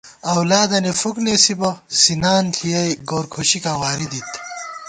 اولادَنی فُک نېسی بہ ، سِنان ݪِیَئ گور کھُشِکاں واری دِت